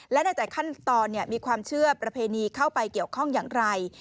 และในแต่ขั้นตอนมีความเชื่อประเพณีเข้าไปเกี่ยวข้องอย่างไร